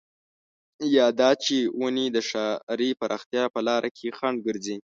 يا دا چې ونې د ښاري پراختيا په لاره کې خنډ ګرځي.